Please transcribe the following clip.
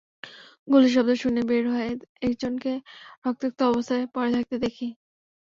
গুলির শব্দ শুনে বের হয়ে একজনকে রক্তাক্ত অবস্থায় পড়ে থাকতে দেখি।